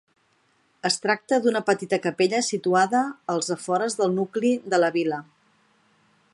Es tracta d'una petita capella situada als afores del nucli de la vila.